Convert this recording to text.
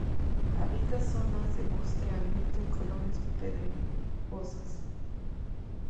Habitaba zonas de bosque abierto y colinas pedregosas.